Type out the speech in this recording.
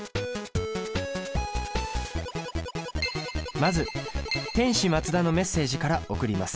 まず天使マツダのメッセージから送ります。